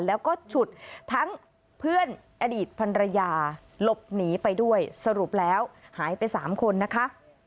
แล้วก็ฉุดทั้งเพื่อนอดีตพันรยาหลบหนีไปด้วยสรุปแล้วหายไป๓คนนะคะ